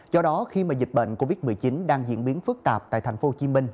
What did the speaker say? do đó khi mà dịch bệnh covid một mươi chín đang diễn biến phức tạp tại thành phố hồ chí minh